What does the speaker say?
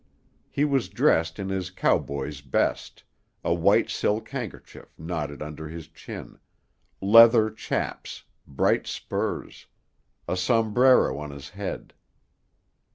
He was dressed in his cowboy's best, a white silk handkerchief knotted under his chin, leather "chaps," bright spurs, a sombrero on his head.